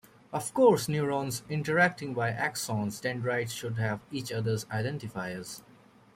Of course, neurons interacting by axons-dendrites should have each other's identifiers.